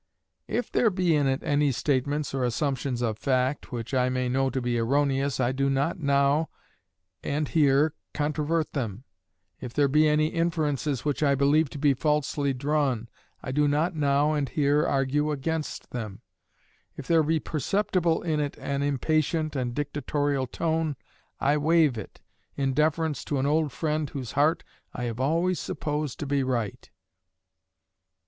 If there be in it any statements or assumptions of fact, which I may know to be erroneous, I do not now and here controvert them. If there be any inferences which I believe to be falsely drawn, I do not now and here argue against them. If there be perceptible in it an impatient and dictatorial tone, I waive it, in deference to an old friend whose heart I have always supposed to be right.